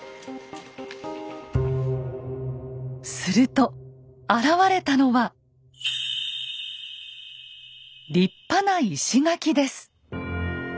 すると現れたのは立派な石垣です。